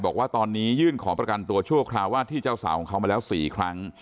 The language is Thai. บอกว่าตอนนี้ยื่นขอประกันตัวชั่วคราวว่าที่เจ้าสาวของเขามาแล้ว๔ครั้ง